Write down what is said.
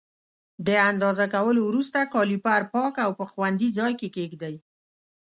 د اندازه کولو وروسته کالیپر پاک او په خوندي ځای کې کېږدئ.